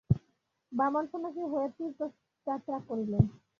বামন সন্ন্যাসী হইয়া তীর্থযাত্রা করিলেন।